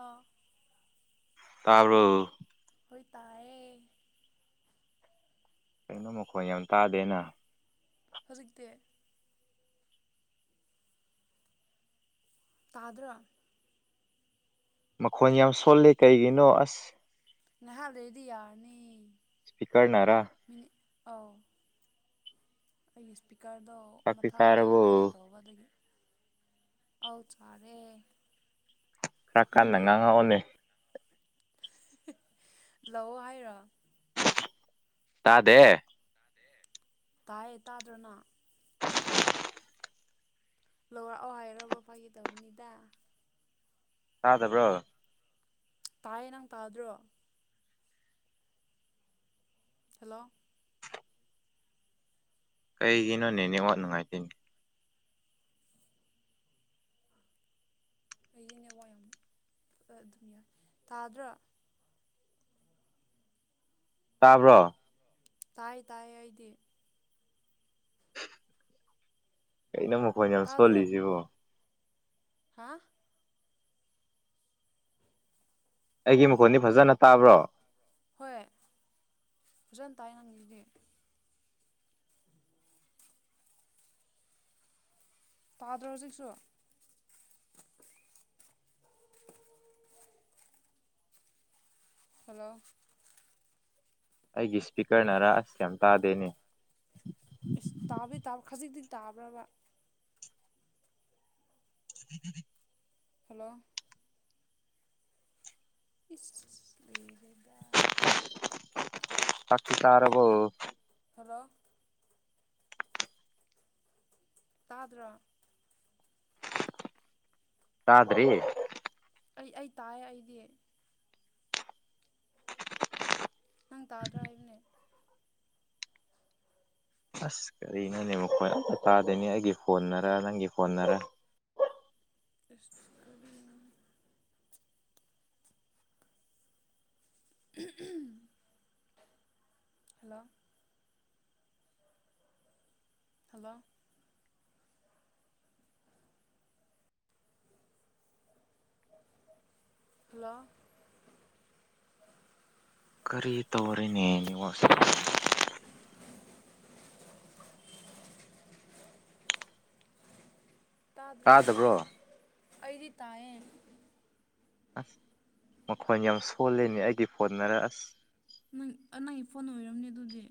ꯑꯥ ꯇꯥꯕꯔꯣ ꯍꯣꯏ ꯇꯥꯏꯌꯦ ꯀꯩꯅꯣ ꯃꯈꯣꯟ ꯌꯥꯝ ꯇꯥꯗꯦꯅ ꯍꯧꯖꯤꯛꯇꯤ ꯇꯥꯗ꯭ꯔꯥ ꯃꯈꯣꯟ ꯌꯥꯝ ꯁꯣꯜꯂꯤ ꯀꯩꯒꯤꯅꯣ ꯑꯁ ꯅꯍꯥꯟꯗꯩꯗꯤ ꯌꯥꯔꯅꯤ ꯄꯤꯀꯅꯥ ꯑꯥꯎ ꯑꯩꯒꯤ ꯏꯁꯄꯤꯀꯔꯗꯣ ꯆꯥꯛꯇꯤ ꯃꯊꯥꯛꯇ ꯀꯩꯅꯣ ꯆꯥꯔꯕꯣ ꯇꯒꯗꯒꯤ ꯑꯥꯎ ꯆꯔꯦ ꯈꯔ ꯀꯟꯅ ꯑꯪꯗꯤ ꯉꯥꯡꯉꯛꯑꯣꯅꯦ ꯂꯥꯛꯑꯣ ꯍꯥꯏꯔꯣ ꯇꯥꯗꯦ ꯇꯥꯏꯑꯦ ꯇꯥꯗ꯭ꯔꯅ ꯂꯔꯛꯑꯣ ꯍꯥꯏꯔꯔꯕ ꯐꯒꯦ ꯇꯧꯕꯅꯤꯗ ꯇꯥꯗꯕ꯭ꯔꯣ ꯇꯥꯏꯌꯦ ꯅꯪ ꯇꯥꯗ꯭ꯔꯣ ꯍꯜꯂꯣ ꯀꯩꯒꯤꯅꯣꯅꯦꯅꯦ ꯋꯥꯠ ꯅꯨꯡꯉꯥꯏꯇꯣꯏꯅꯦ ꯑꯩꯁꯅꯦ ꯋꯥ ꯌꯥꯝ ꯑꯗꯨꯝ ꯌꯥꯏ ꯇꯥꯗ꯭ꯔꯥ ꯇꯥꯕ꯭ꯔꯣ ꯇꯥꯏ ꯇꯥꯏ ꯑꯩꯗꯤ ꯀꯩꯅꯣ ꯃꯈꯣꯟ ꯌꯥꯝ ꯇꯥꯗ꯭ꯔꯣ ꯁꯣꯜꯂꯤꯁꯤꯕꯣ ꯍꯥ ꯑꯩꯒꯤ ꯃꯈꯣꯟꯗꯤ ꯐꯖꯅ ꯇꯥꯕ꯭ꯔꯣ ꯍꯣꯏ ꯐꯖꯅ ꯇꯥꯏ ꯅꯪꯒꯤꯗꯤ ꯇꯥ ꯔꯣꯖꯀ ꯁ ꯍꯜꯂꯣ ꯑꯩꯒꯤ ꯏꯁꯄꯤꯀꯔꯅꯔꯥ ꯑꯁ ꯌꯥꯝ ꯇꯥꯗꯦꯅꯦ ꯏꯁꯁ ꯇꯥꯕꯩ ꯇꯥꯕ ꯈꯖꯤꯛꯇꯤ ꯇꯥꯕ꯭ꯔꯕ ꯑꯗꯨꯗꯤ ꯍꯜꯂꯣ ꯏꯁ ꯂꯩꯕꯗ ꯇꯀꯤ ꯇꯥꯔꯕꯨ ꯈꯔꯣ ꯇꯥꯗ꯭ꯔꯥ ꯆꯗ꯭ꯔꯤ ꯑꯩ ꯑꯩ ꯇꯥꯏ ꯑꯩꯗꯤ ꯅꯪ ꯇꯥꯗ꯭ꯔꯥ ꯍꯥꯏꯕꯅꯦ ꯑꯁ ꯀꯔꯤꯅꯅꯦꯕꯣꯏ ꯑꯇꯥꯗꯣꯏꯅꯤ ꯑꯩꯒꯤ ꯐꯣꯟꯅꯔ ꯅꯪꯒꯤ ꯐꯣꯟꯅꯔ ꯇꯁ ꯍꯜꯂꯣ ꯍꯜꯂꯣ ꯍꯜꯂꯣ ꯀꯔꯤ ꯇꯧꯔꯤꯅꯦꯅꯦꯉꯣꯁꯦ ꯇꯥꯗ꯭ꯔ ꯇꯥꯗꯕ꯭ꯔꯣ ꯑꯩꯗꯤ ꯇꯥꯏꯌꯦ ꯑꯁ ꯃꯈꯣꯟ ꯌꯥꯝ ꯁꯣꯜꯂꯤꯅꯦ ꯑꯩꯗꯤ ꯐꯣꯟꯠꯅꯔ ꯑꯁ ꯅꯪ ꯅꯪꯒꯤ ꯐꯣꯟ ꯑꯣꯏꯔꯝꯅꯤ ꯑꯗꯨꯗꯤ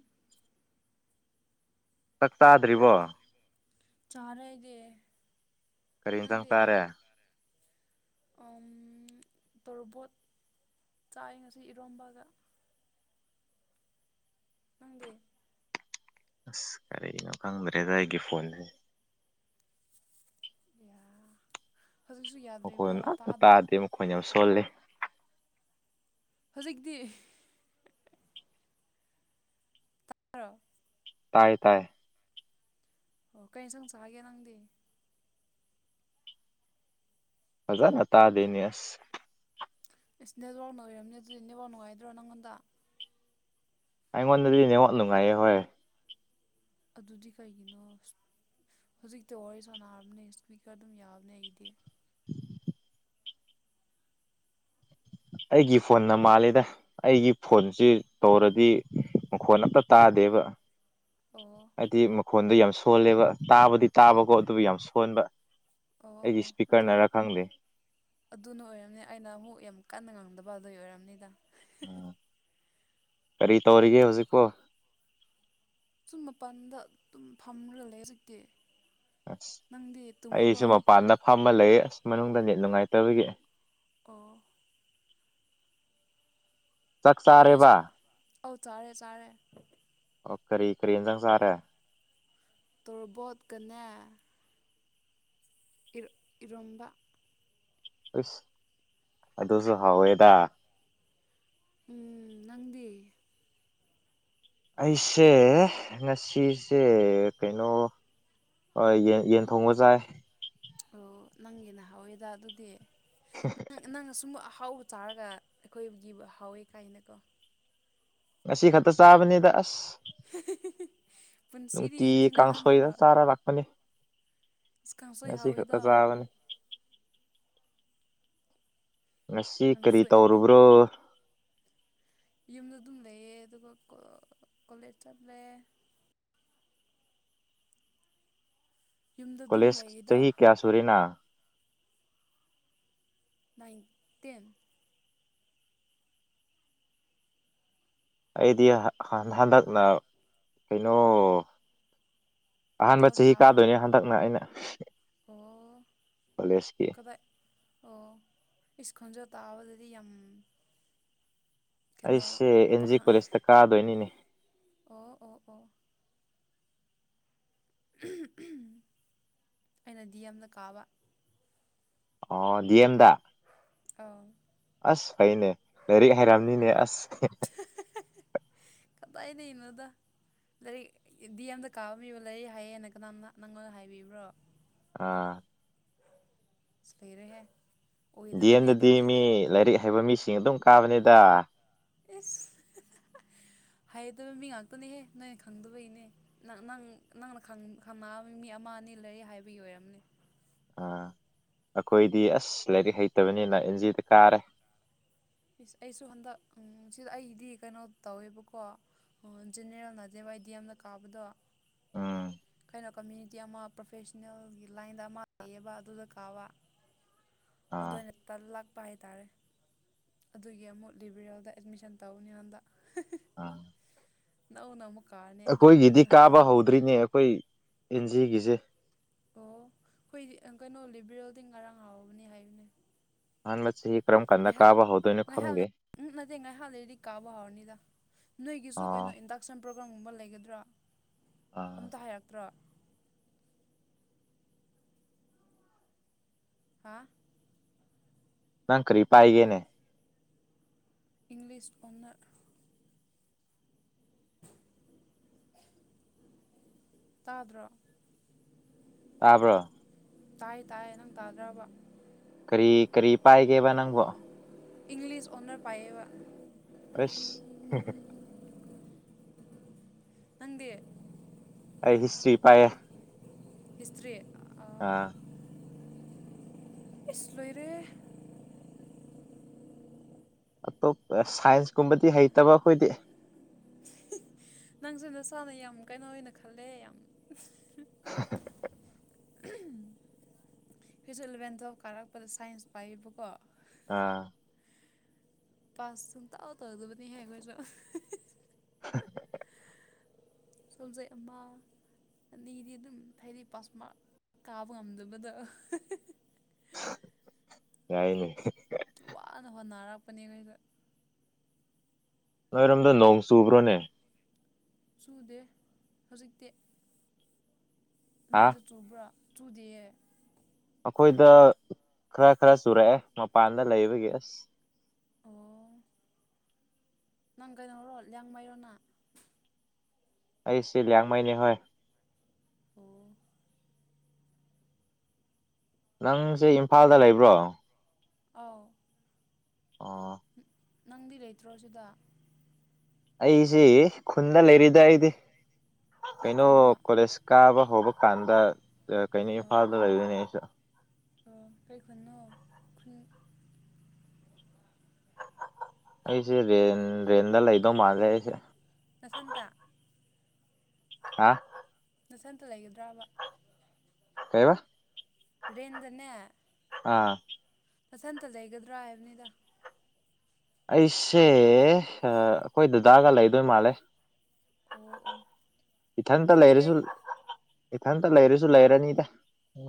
ꯆꯥꯛ ꯆꯥꯗ꯭ꯔꯤꯕꯣ ꯆꯔꯒ ꯀꯔꯤꯝꯇꯪ ꯇꯥꯔꯦ ꯇꯣꯔꯕꯣꯠ ꯆꯥꯏ ꯉꯁꯤ ꯏꯔꯣꯝꯕꯒ ꯅꯪꯗꯦ ꯑꯁ ꯀꯔꯤꯅꯣ ꯈꯪꯗ꯭ꯔꯦꯖ ꯑꯩꯒꯤ ꯐꯣꯟꯁꯦ ꯌꯥ ꯍꯧꯖꯤꯛꯁꯨ ꯌꯥꯗ꯭ꯔꯤꯕ꯭ꯔꯣ ꯇꯥꯗ꯭ꯔꯣ ꯑꯩꯈꯣꯏꯅ ꯌꯥꯝ ꯁꯣꯜꯂꯦ ꯍꯧꯖꯤꯛꯇꯤ ꯃꯔꯔꯣ ꯇꯥꯏ ꯇꯥꯏ ꯑꯣ ꯀꯩꯅ ꯁꯪ ꯆꯥꯒꯦ ꯅꯪꯗꯤ ꯍꯖꯥꯅ ꯇꯥꯗꯅꯤꯁ ꯑꯦꯁ ꯅꯦ ꯋꯥꯎ ꯅꯣꯏ ꯑꯣꯏꯔꯔꯕꯅꯦ ꯑꯗꯨꯗꯤ ꯏ ꯅꯦꯋꯥꯎ ꯅꯨꯡꯉꯥꯏꯗ꯭ꯔꯣ ꯅꯪꯉꯣꯟꯗ ꯑꯩꯉꯣꯟꯗꯗꯤ ꯅꯉꯣꯟꯠ ꯅꯨꯡꯉꯥꯏꯑꯌꯦ ꯍꯣꯏ ꯑꯗꯨꯗꯤ ꯀꯩꯒꯤꯅꯣ ꯍꯧꯖꯤꯛꯇꯤ ꯋꯥꯔꯤ ꯁꯥꯟꯅꯔꯕꯅꯦ ꯏꯁꯄꯤꯀꯔ ꯑꯗꯨꯝ ꯌꯥꯕꯅꯦ ꯑꯩꯗꯤ ꯑꯩꯒꯤ ꯐꯣꯟꯅ ꯃꯥꯜꯂꯤꯦꯗ ꯑꯩꯒꯤ ꯐꯣꯟꯁꯤ ꯇꯧꯔꯗꯤ ꯃꯈꯣꯟ ꯑꯝꯇ ꯇꯥꯗꯦꯕ ꯑꯣ ꯍꯥꯏꯗꯤ ꯃꯈꯣꯟꯗꯣ ꯌꯥꯝ ꯁꯣꯜꯂꯦꯕ ꯇꯥꯕꯨꯗꯤ ꯇꯥꯕꯀꯣ ꯑꯗꯨꯕꯨ ꯌꯥꯝ ꯁꯣꯟꯕ ꯑꯣ ꯑꯩꯒꯤ ꯑꯣ ꯑꯗꯨ ꯏꯁꯄꯤꯀꯔꯅꯔꯥ ꯈꯪꯗꯦ ꯑꯗꯨꯅ ꯑꯣꯏꯔꯝꯅꯤ ꯑꯩꯅ ꯑꯃꯨꯛ ꯌꯥꯝ ꯀꯟꯅ ꯉꯥꯡꯗꯕ ꯑꯗꯨꯒꯤ ꯑꯣꯏꯔꯝꯅꯤꯗ ꯎꯝ ꯀꯔꯤ ꯇꯧꯔꯤꯒꯦ ꯍꯧꯖꯤꯛꯄꯣ ꯁꯨꯝ ꯃꯄꯥꯟꯗ ꯑꯗꯨꯝ ꯐꯝꯔ ꯂꯩ ꯍꯧꯖꯤꯛꯇꯤ ꯑꯁ ꯅꯪꯗꯤ ꯇꯨꯝꯃꯕꯣ ꯑꯩꯁꯨ ꯃꯄꯥꯟꯗ ꯐꯝꯕ ꯂꯩ ꯑꯁ ꯃꯅꯨꯡꯗꯅꯤ ꯅꯨꯡꯉꯥꯏꯇꯕꯒꯤ ꯑꯥ ꯆꯥꯛ ꯀꯩ ꯆꯥꯔꯦꯕ ꯑꯧ ꯆꯥꯔꯦ ꯆꯥꯔꯦ ꯑꯣ ꯀꯔꯤ ꯀꯔꯤꯟꯖꯪ ꯆꯥꯔꯦ ꯇꯣꯔꯕꯣꯠꯀꯅꯦ ꯏꯔ ꯏꯔꯣꯝꯕ ꯍꯁ ꯑꯗꯨꯁꯨ ꯍꯥꯎꯋꯦꯗ ꯎꯝ ꯅꯪꯗꯤ ꯑꯩꯁꯦ ꯉꯁꯤꯁꯦ ꯀꯩꯅꯣ ꯍꯣꯏ ꯌꯦ ꯌꯦꯟ ꯊꯣꯡꯕ ꯆꯥꯏ ꯑꯣ ꯅꯪꯒꯤꯅ ꯍꯥꯎꯋꯦꯗ ꯑꯗꯨꯗꯤ [unintelligible] ꯅꯪ ꯅꯪ ꯑꯁꯨꯝꯕ ꯑꯍꯥꯎꯕ ꯆꯥꯔꯒ ꯑꯩꯈꯣꯏꯒꯤꯕꯨ ꯍꯥꯎꯋꯦ ꯀꯥꯏꯅꯀꯣ ꯉꯁꯤ ꯈꯛꯇ ꯆꯥꯕꯅꯤꯗ ꯑꯁ ꯄꯨꯟꯁꯤꯗꯤ ꯅꯨꯡꯇꯤ ꯉꯁꯤꯅ ꯀꯥꯡꯁꯣꯏꯗ ꯑꯍꯥꯟꯕꯔꯣ ꯆꯥꯔꯥ ꯂꯥꯛꯄꯅꯦ ꯑꯁ ꯀꯥꯡꯁꯣꯏꯍꯥꯎꯋꯦꯗ ꯉꯁꯤ ꯀꯔꯤ ꯀꯥꯡꯁꯣꯏ ꯇꯧꯨꯔꯕ꯭ꯔꯣ ꯌꯨꯝꯗ ꯑꯗꯨꯝ ꯂꯩꯌꯦ ꯑꯗꯨꯒ ꯀꯣꯂꯦꯖ ꯆꯠꯂꯦ ꯌꯨꯝꯗ ꯑꯗꯨꯝ ꯀꯣꯂꯦꯖ ꯂꯩꯌꯦꯗ ꯆꯍꯤ ꯀꯌꯥ ꯁꯨꯔꯦꯅ ꯅꯥꯏꯟꯇꯦꯟ ꯑꯩꯗꯤ ꯍꯟꯗꯛꯅ ꯀꯩꯅꯣ ꯑꯍꯥꯟꯕ ꯇꯨꯋꯦꯜꯐ ꯆꯍꯤ ꯊꯥꯕ ꯀꯥꯗꯣꯏꯅꯦ ꯍꯟꯗꯛꯅ ꯑꯩꯅ ꯑꯣ ꯀꯣꯂꯦꯖꯀꯤ ꯀꯗꯥꯥꯏ ꯑꯣ ꯏꯁꯤꯁ ꯈꯣꯟꯖꯣ ꯇꯥꯕꯗꯗꯤ ꯌꯥꯝ ꯀꯩꯅꯣ ꯑꯩꯁꯦ ꯑꯦꯟ ꯖꯤ ꯄꯥꯈꯪ ꯀꯣꯂꯦꯖꯇ ꯀꯥꯗꯣꯏꯅꯤꯅꯦ ꯑꯣ ꯑꯣ ꯑꯣ ꯑꯩꯅꯗꯤ ꯌꯥꯝꯅ ꯀꯥꯕ ꯑꯣ ꯗꯤꯑꯦꯝꯗꯗꯥ ꯑꯥ ꯑꯁ ꯐꯩꯅꯦ ꯂꯥꯏꯔꯤꯛ ꯍꯩꯔꯝꯅꯤꯅꯦ ꯑꯁ ꯀꯗꯥꯅꯦꯅ ꯑꯣ ꯂꯥꯏꯔꯤꯛ ꯗꯤ ꯑꯦꯝꯗ ꯀꯥꯕ ꯃꯤꯕ ꯂꯥꯏꯔꯤꯛ ꯍꯥꯏꯌꯦꯦꯅ ꯀꯅꯥ ꯅꯪꯉꯣꯟꯗ ꯍꯥꯏꯕꯤꯕ꯭ꯔꯣ ꯑꯥ ꯁꯤꯔꯦꯍꯦ ꯍꯥꯏ ꯗꯤ ꯑꯦꯝꯗꯗꯤ ꯃꯤ ꯂꯥꯏꯔꯤꯛ ꯍꯩꯕ ꯃꯤꯁꯤꯡ ꯑꯗꯨꯝ ꯀꯥꯕꯅꯤꯗ ꯑꯦꯁ ꯍꯥꯏꯗꯕ ꯃꯤ ꯉꯥꯛꯇꯅꯦꯍꯦ ꯅꯣꯏꯅ ꯈꯪꯗꯕꯩꯅꯦ ꯅꯪ ꯅꯪ ꯅꯪꯅ ꯈꯪꯉꯛꯑꯕ ꯃꯤ ꯑꯃ ꯑꯅꯤ ꯂꯩꯔꯤ ꯍꯥꯏꯕꯒꯤ ꯑꯣꯏꯔꯝꯅꯤ ꯑ ꯑꯩꯈꯣꯏꯗꯤ ꯑꯁ ꯂꯥꯏꯔꯤꯛ ꯍꯩꯇꯕꯅꯤꯅ ꯑꯦꯟꯖꯤꯗ ꯀꯥꯔꯦ ꯏꯁꯁ ꯑꯩꯁꯨ ꯍꯟꯗꯛ ꯁꯤꯗ ꯑꯩꯗꯤ ꯀꯩꯅꯣ ꯇꯧꯋꯦꯕꯀꯣ ꯑꯣ ꯖꯦꯅꯦꯔꯦꯜ ꯅꯗꯦꯕꯏꯗꯤ ꯌꯥꯝꯅ ꯀꯥꯕꯗꯣ ꯎꯝ ꯀꯩꯅꯣ ꯀꯝꯃ꯭ꯌꯨꯅꯤꯇꯤ ꯑꯃ ꯄ꯭ꯔꯣꯐꯦꯁꯅꯦꯜꯒꯤ ꯂꯥꯏꯟꯗ ꯑꯃ ꯂꯩꯌꯦꯕ ꯑꯗꯨꯗ ꯀꯥꯕ ꯑꯥ ꯑꯗꯨꯏ ꯅꯇ ꯂꯥꯛꯄ ꯍꯥꯏꯇꯥꯔꯦ ꯑꯗꯨꯒꯤ ꯑꯃꯨꯛ ꯂꯤꯕꯤꯔꯦꯜꯗ ꯑꯦꯠꯃꯤꯁꯟ ꯇꯧꯅꯤꯉꯣꯟꯗ ꯑꯥ ꯅꯧ ꯑꯃꯨꯛ ꯀꯥꯔꯦ ꯑꯩꯈꯣꯏꯒꯤꯗꯤ ꯀꯥꯕ ꯍꯧꯗ꯭ꯔꯤꯅꯦ ꯑꯩꯈꯣꯏ ꯑꯦꯟꯖꯤꯒꯤꯁꯦ ꯑꯣ ꯑꯩꯈꯣꯏꯗꯤ ꯀꯩꯅꯣ ꯂꯤꯕꯔꯦꯜꯗꯤ ꯉꯔꯥꯡ ꯍꯥꯎꯕꯅꯦ ꯍꯥꯏꯕꯅꯦ ꯑꯍꯥꯟꯕ ꯆꯍꯤ ꯀꯔꯝ ꯀꯥꯟꯗ ꯉꯥꯏꯍꯥꯛ ꯀꯥꯕ ꯍꯧꯗꯣꯏꯅꯣ ꯉꯥꯏꯍꯥꯛ ꯈꯪꯗꯦ ꯂꯩ ꯎ ꯅꯠꯇꯦ ꯉꯥꯏꯍꯥꯛ ꯂꯩꯗꯤ ꯀꯥꯕ ꯍꯧꯥꯎꯔꯅꯤꯗ ꯅꯣꯏꯒꯤꯁꯨ ꯑꯥ ꯀꯩꯅꯣ ꯏꯟꯗꯛꯁꯟ ꯄ꯭ꯔꯣꯒ꯭ꯔꯝꯒꯨꯝꯕ ꯂꯩꯒꯗ꯭ꯔꯥ ꯑꯥ ꯑꯝꯇ ꯍꯥꯏꯔꯛꯇ꯭ꯔꯣ ꯍꯥꯥ ꯅꯪ ꯀꯔꯤ ꯄꯥꯏꯒꯦꯅꯦ ꯏꯪꯂꯤꯁ ꯑꯣꯟꯅ ꯇꯥꯗ꯭ꯔꯥ ꯇꯥꯕ꯭ꯔꯣ ꯇꯥꯏ ꯇꯥꯏ ꯅꯝ ꯇꯥꯗ꯭ꯔꯕ ꯀꯔꯤ ꯀꯔꯤ ꯄꯥꯏꯒꯦꯕ ꯅꯪꯕꯣ ꯏꯪꯂꯤꯁ ꯑꯣꯅꯔ ꯄꯥꯌꯦꯕ ꯑꯁ ꯅꯪꯗꯦ ꯑꯩ ꯍꯤꯁꯇ꯭ꯔꯤ ꯄꯥꯏꯌꯦ ꯍꯤꯁꯇ꯭ꯔꯤ ꯑꯥ ꯏꯁꯁꯂꯣꯏꯔꯦ ꯑꯇꯣꯞꯄ ꯁꯥꯏꯟꯁ ꯀꯨꯝꯕꯗꯤ ꯍꯩꯇꯕ ꯑꯩꯈꯣꯏꯗꯤ꯫ ꯅꯪꯖꯦ ꯅꯁꯥꯥꯅ ꯌꯥꯝ ꯀꯩꯅꯣ ꯑꯣꯏꯅ ꯈꯜꯂꯦ ꯌꯥꯝ꯫ ꯐꯤꯖꯨꯂꯨꯔꯦꯟꯇꯣ ꯀꯥꯔꯛꯄꯗ ꯁꯥꯏꯟꯁ ꯄꯥꯏꯌꯦꯕꯀꯣ꯫ ꯑꯥ ꯄꯥꯁ ꯁꯨꯡꯇꯧ ꯇꯧꯗꯕꯅꯤꯍꯦ ꯑꯩꯈꯣꯏꯁꯨ꯫ ꯁꯣꯟꯖꯩ ꯑꯃꯃꯥ ꯑꯅꯤꯗꯤ ꯑꯗꯨꯝ ꯍꯥꯏꯗꯤ ꯄꯥꯁꯃꯥꯛ ꯀꯥꯕ ꯉꯝꯗꯕꯗꯣ꯫ ꯌꯥꯏꯌꯦ ꯋꯥꯅ ꯍꯣꯠꯅꯔꯛꯄꯅꯦ ꯑꯈꯣꯏꯁꯨ꯫ ꯅꯣꯏꯔꯣꯝꯗꯣ ꯅꯣꯡ ꯆꯨꯕ꯭ꯔꯣꯅꯦ꯫ ꯆꯨꯗꯦ ꯍꯧꯖꯤꯛꯇꯤ ꯍꯥ ꯅꯣꯏꯖꯨ ꯆꯨꯕ꯭ꯔꯣ ꯆꯨꯗꯤꯌꯦ ꯑꯩꯈꯣꯏꯗ ꯈꯔ ꯈꯔ ꯆꯨꯔꯛꯑꯦ ꯃꯄꯥꯟꯗ ꯂꯩꯕꯒꯤ ꯑꯁ꯫ ꯑꯣ ꯅꯪ ꯀꯩꯅꯣꯔꯣ ꯂꯤꯌꯥꯡꯃꯩꯔꯣ ꯅꯪ꯫ ꯑꯩꯁꯦ ꯂꯤꯌꯥꯡꯃꯩꯅꯤ ꯍꯣꯏ꯫ ꯑꯣ ꯅꯪꯁꯦ ꯏꯝꯐꯥꯜꯗ ꯂꯩꯕ꯭ꯔꯣ꯫ ꯑꯥꯎ ꯑꯣ ꯅꯪꯗꯤ ꯂꯩꯇ꯭ꯔꯣ ꯁꯤꯗ꯫ ꯑꯩꯁꯤ ꯈꯨꯟꯗ ꯂꯩꯔꯤꯗ ꯑꯩꯗꯤ꯫ ꯀꯩ ꯀꯩꯅꯣ ꯈꯨꯟꯅꯣ ꯑꯣ ꯀꯣꯂꯦꯖ ꯀꯥꯕ ꯍꯧꯕ ꯀꯥꯟꯗ ꯀꯩꯅꯣ ꯏꯝꯐꯥꯜꯗ ꯑꯣ ꯂꯩꯗꯣꯏꯅꯦ ꯑꯩꯁꯨ꯫ ꯑꯣ ꯀꯩ ꯈꯨꯟꯅꯣ ꯈꯨꯟ ꯑꯩꯁꯦ ꯔꯦꯟ ꯔꯦꯟꯗ ꯂꯩꯗꯧ ꯃꯥꯜꯂꯦ ꯑꯩꯁꯦ꯫ ꯅꯊꯟꯇ ꯍꯥ ꯅꯊꯟꯇ ꯂꯩꯒꯗ꯭ꯔꯕ ꯀꯩꯕ ꯔꯦꯟꯗꯅꯦ ꯑꯥ ꯅꯊꯟꯇ ꯂꯩꯒꯗ꯭ꯔꯥ ꯍꯥꯏꯕꯅꯤꯗ꯫ ꯑꯩꯁꯦ ꯑ ꯑꯩꯈꯣꯏ ꯗꯗꯥꯒ ꯂꯩꯗꯣꯏ ꯃꯥꯜꯂꯦ꯫ ꯑꯣ ꯑꯣ ꯏꯊꯟꯇ ꯅꯪꯗꯤ ꯀꯩ ꯂꯩꯔꯁꯨ ꯏꯊꯟꯇ ꯂꯩꯔꯁꯨ ꯂꯩꯔꯅꯤꯗ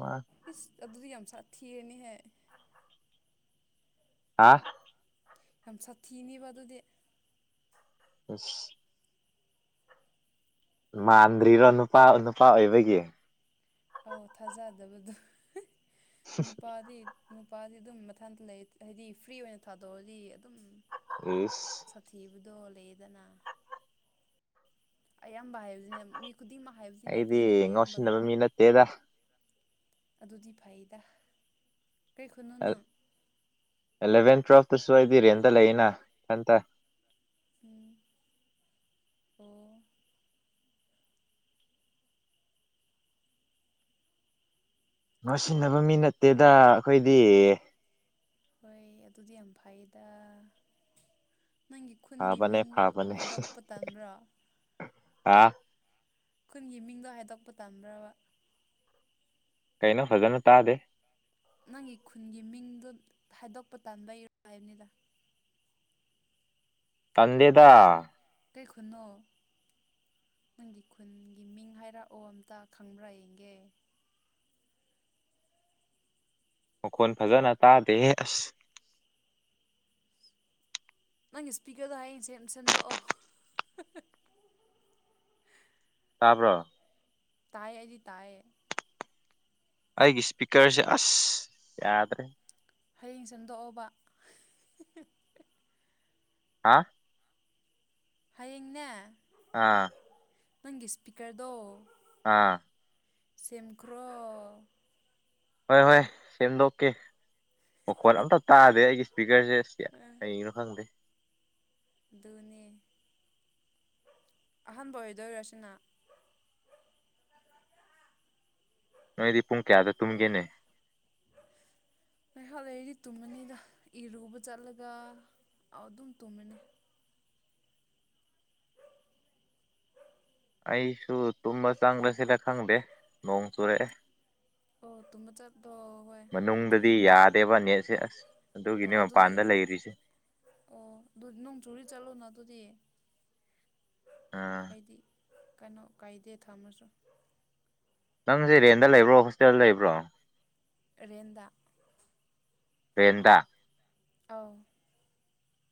ꯋꯥ ꯏꯁ ꯑꯗꯨꯗꯤ ꯌꯥꯝ ꯁꯥꯊꯤꯔꯅꯤꯍꯦ꯫ ꯍꯥꯥ ꯌꯥꯝ ꯁꯥꯊꯤꯅꯤꯕ ꯑꯗꯨꯗꯤ꯫ ꯑꯁ ꯃꯥꯟꯗ꯭ꯔꯤꯔꯣ ꯅꯨꯄꯥ ꯅꯨꯄꯥ ꯑꯣꯏꯕꯒꯤ꯫ ꯑꯧ ꯊꯥꯖꯗꯕꯗꯣ ꯅꯨꯄꯥꯗꯤ ꯅꯨꯄꯥꯗꯤ ꯑꯗꯨꯝ ꯃꯊꯟꯇ ꯂꯩ ꯍꯥꯏꯗꯤ ꯐ꯭ꯔꯤ ꯑꯣꯏꯅ ꯊꯥꯗꯣꯛꯑꯗꯤ ꯑꯗꯨꯝ꯫ ꯏꯁ ꯁꯥꯊꯤꯕꯗꯣ ꯂꯩꯗꯅ ꯑꯌꯥꯝꯕ ꯍꯥꯏꯕꯅꯦ ꯃꯤ ꯈꯨꯗꯤꯡꯃꯛ ꯍꯥꯏꯕꯗꯤ ꯅꯠꯇꯦ ꯑꯩꯗꯤ ꯑꯗꯨꯕꯨ ꯑꯌꯥꯝꯕ ꯉꯥꯎꯁꯤꯟꯅꯕ ꯅꯨꯄꯥ꯫ ꯃꯤ ꯅꯠꯇꯦꯗ ꯑꯗꯨꯗꯤ ꯐꯩꯗ ꯀꯩ ꯈꯨꯟꯅꯣ ꯅꯪ꯫ ꯑꯦꯂꯦꯚꯦꯟ ꯇꯨꯋꯦꯜꯞꯇꯁꯨ ꯑꯩꯗꯤ ꯔꯦꯟꯗ ꯂꯩꯅ ꯏꯊꯟꯇ꯫ ꯎꯝ ꯑꯣ ꯉꯥꯎꯁꯤꯟꯅꯕ ꯃꯤ ꯅꯠꯇꯦꯗ ꯑꯩꯈꯣꯏꯗꯤ꯫ ꯍꯣꯏ ꯑꯗꯨꯗꯤ ꯌꯥꯝ ꯐꯩꯌꯦꯗ ꯅꯪꯒꯤ ꯈꯨꯟꯒꯤ ꯐꯕꯅꯦ ꯃꯤꯡꯕꯨ ꯍꯥꯏꯗꯣꯛꯄ ꯇꯝꯕ꯭ꯔꯣ ꯑꯥ ꯈꯨꯈꯟꯒꯤ ꯃꯤꯡꯗꯣ ꯍꯥꯏꯗꯣꯛꯄ ꯇꯝꯗ꯭ꯔꯕ ꯀꯩꯅꯣ ꯐꯖꯅ ꯇꯥꯗꯦ ꯅꯪꯒꯤ ꯈꯨꯟꯒꯤ ꯃꯤꯡꯗꯨ ꯍꯥꯏꯗꯣꯛꯄ ꯇꯥꯟꯕ ꯏꯔ ꯍꯥꯏꯕꯅꯤꯗ ꯇꯗꯦꯗ ꯀ ꯈꯨꯅꯣ ꯅꯪꯒꯤ ꯈꯨꯟꯒꯤ ꯃꯤꯡ ꯍꯥꯏꯔꯛꯑꯣ ꯑꯝꯇ ꯈꯪꯕ꯭ꯔꯥ ꯌꯦꯡꯒꯦ ꯃꯈꯣꯟ ꯐꯖꯅ ꯇꯥꯗꯦꯍꯦ ꯑꯁ ꯅꯪꯒꯤ ꯏꯁꯄꯤꯀꯔꯗꯣ ꯍꯌꯦꯡ ꯁꯦꯝ ꯁꯦꯝꯟꯗꯣꯛꯑꯣ ꯇꯥꯕ꯭ꯔꯣ ꯇꯥꯏꯌꯦ ꯍꯥꯏꯗꯤ ꯇꯥꯏꯌꯦ ꯑꯩꯒꯤ ꯏꯁꯄꯤꯀꯔꯁꯦ ꯑꯁ ꯌꯥꯗ꯭ꯔꯦ ꯍꯌꯦꯡ ꯁꯦꯝꯗꯣꯛꯑꯣꯕ ꯍꯥꯥ ꯍꯌꯦꯡꯅꯦ ꯑꯥ ꯅꯪꯒꯤ ꯏꯁꯄꯤꯀꯔꯗꯣ ꯑꯥ ꯁꯤꯝꯈ꯭ꯔꯣ ꯍꯣꯏ ꯍꯣꯏ ꯁꯦꯝꯗꯣꯛꯀꯦ ꯃꯈꯣꯜ ꯑꯝꯇ ꯇꯥꯗꯦ ꯑꯩꯒꯤ ꯏꯁꯄꯤꯀꯔꯁꯦ ꯑꯁ ꯌꯥ- ꯑꯝ ꯀꯩꯒꯤꯅꯣ ꯈꯪꯗꯦ ꯑꯗꯨꯅꯦ ꯑꯍꯥꯟꯕ ꯑꯣꯏꯗꯣꯏꯔꯁꯤꯅ ꯅꯣꯏꯗꯤ ꯄꯨꯡ ꯀꯌꯥꯗ ꯇꯨꯝꯒꯦꯅꯦ ꯉꯥꯏꯍꯥꯛ ꯂꯩꯗꯤ ꯇꯨꯝꯃꯅꯤꯗ ꯏꯔꯨꯕ ꯆꯠꯂꯒ ꯑꯗꯨꯝ ꯇꯨꯝꯃꯅꯤ ꯑꯩꯁꯨ ꯇꯨꯝꯃ ꯆꯪꯗ꯭ꯔꯁꯤꯗ ꯈꯪꯗꯦ ꯅꯣꯡ ꯆꯨꯔꯛꯑꯦ ꯑꯣ ꯇꯨꯝꯕ ꯆꯠꯂꯣ ꯍꯣꯏ ꯅꯣꯡ ꯃꯅꯨꯡꯗꯗꯤ ꯆꯨꯔꯗꯤ ꯌꯥꯗꯦꯕ ꯅꯦꯠꯁꯦ ꯑꯁ ꯑꯣ ꯑꯗꯨꯒꯤꯅꯦ ꯑꯗꯨꯗꯤ ꯃꯄꯥꯟꯗ ꯂꯩꯔꯤꯁꯦ ꯑꯣ ꯑꯗꯨ ꯅꯪ ꯨꯔꯤ ꯆꯂꯨꯅ ꯑꯗꯨꯗꯤ ꯑꯥ ꯍꯥꯏꯗꯤ ꯀꯩꯅꯣ ꯀꯥꯏꯗꯦ ꯊꯝꯃꯁꯨ ꯅꯪ ꯦ ꯔꯦꯟꯗ ꯂꯩꯕ꯭ꯔꯣ ꯍꯣꯁꯇꯦꯜꯗ ꯂꯩꯕ꯭ꯔꯣ ꯔꯦꯟꯗ ꯄꯦꯟꯗ ꯑꯥꯎ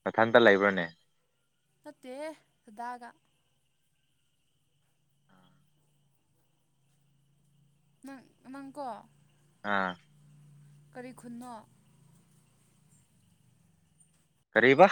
ꯃꯊꯟꯇ ꯂꯩꯕ꯭ꯔꯅꯦ ꯁꯠꯇꯦꯗꯒ ꯅꯪ ꯅꯪꯀꯣ ꯑꯥ ꯀꯔꯤꯈꯟꯅꯣ ꯀꯔꯤꯕ